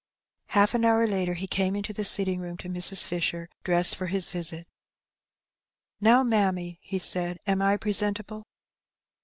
'' Half an hour later he came into the sitting room to Mrs. Fisher, dressed for his visit. "Now, mammy," he said, "am I presentable?"